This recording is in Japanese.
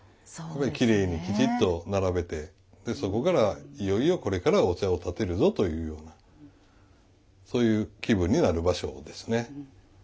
きれいにきちっと並べてそこからいよいよこれからお茶を点てるぞというそういう気分になる場所ですね。